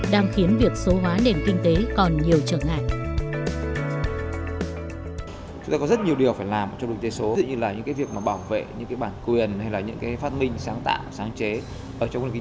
đang khiến việc số hóa nền kinh tế còn nhiều trở ngại